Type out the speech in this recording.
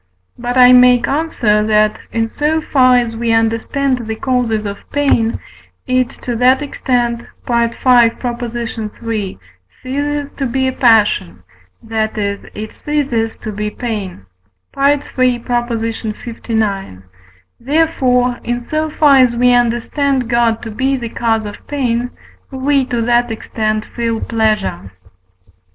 But I make answer, that, in so far as we understand the causes of pain, it to that extent (V. iii.) ceases to be a passion, that is, it ceases to be pain (III. lix.); therefore, in so far as we understand God to be the cause of pain, we to that extent feel pleasure.